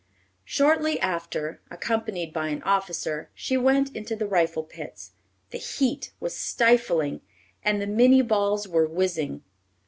'" Shortly after, accompanied by an officer, she went into the rifle pits. The heat was stifling, and the minie balls were whizzing.